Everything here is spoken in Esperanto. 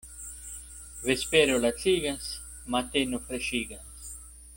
Vespero lacigas, mateno freŝigas.